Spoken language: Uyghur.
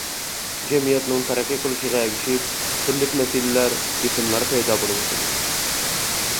جەمئىيەتنىڭ تەرەققىي قىلىشىغا ئەگىشىپ، تۈرلۈك مەسىلىلەر، بېسىملار پەيدا بولۇۋاتىدۇ.